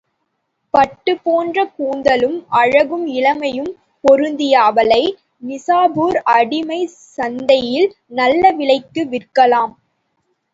பட்டுப் போன்ற கூந்தலும், அழகும் இளமையும் பொருந்திய அவளை, நிசாப்பூர் அடிமைச் சந்தையில் நல்ல விலைக்கு விற்கலாம்.